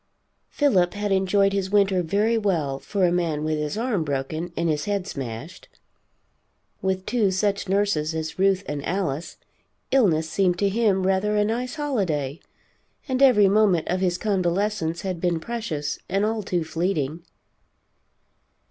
Philip had enjoyed his winter very well, for a man with his arm broken and his head smashed. With two such nurses as Ruth and Alice, illness seemed to him rather a nice holiday, and every moment of his convalescence had been precious and all too fleeting.